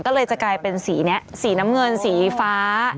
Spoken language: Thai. ก็เลยจะกลายเป็นสีนี้สีน้ำเงินสีฟ้า